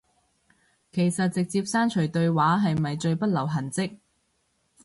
其實直接刪除對話係咪最不留痕跡